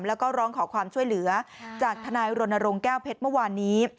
แล้วก็ร้องขอความช่วยเหลือจากทนายรณรงค์แก้วเพชรเมื่อวานนี้